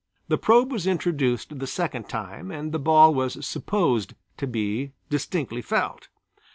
The probe was introduced the second time and the ball was supposed to be distinctly felt.